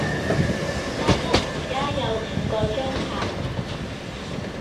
間屋而家有五個租客